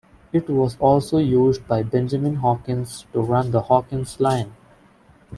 It was also used by Benjamin Hawkins to run the Hawkins Line.